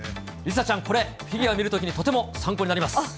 梨紗ちゃん、これ、フィギュア見るときにとても参考になります。